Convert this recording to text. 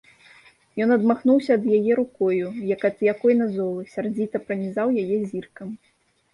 Ён адмахнуўся ад яе рукою, як ад якой назолы, сярдзіта пранізаў яе зіркам.